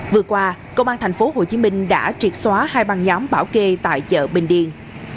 vừa qua công an tp hcm đã triệt xóa hai băng nhóm bảo kê tại chợ bình điền